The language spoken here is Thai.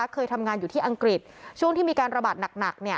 เคยทำงานอยู่ที่อังกฤษช่วงที่มีการระบาดหนัก